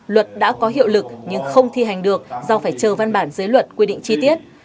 luật đã có hiệu lực nhưng không thi hành được do phải chờ văn bản giới luật quy định chi tiết